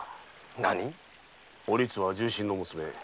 なに⁉お律は重臣の娘。